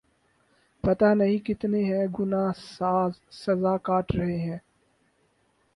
پتا نہیں کتنے بے گنا سزا کاٹ رہے ہیں